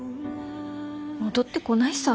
戻ってこないさ。